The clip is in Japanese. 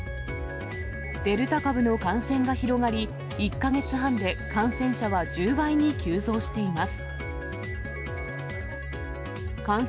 デルタ株の感染が広がり、１か月半で感染者は１０倍に急増しています。